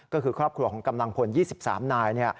ก็คือครอบครัวของกำลังพล๒๓นาย